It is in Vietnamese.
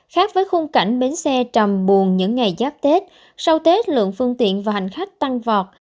khác với khung cảnh bến xe trầm buồn những ngày giáp tết sau tết lượng phương tiện và hành khách tăng vọt